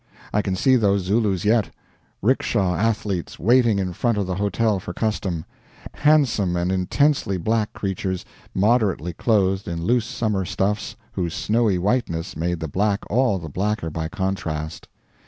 I can see those Zulus yet 'ricksha athletes waiting in front of the hotel for custom; handsome and intensely black creatures, moderately clothed in loose summer stuffs whose snowy whiteness made the black all the blacker by contrast.